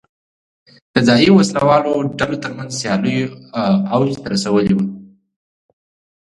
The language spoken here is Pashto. د ځايي وسله والو ډلو ترمنځ سیالیو اوج ته رسولې وه.